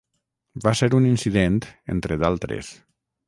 Va ser un incident entre d'altres.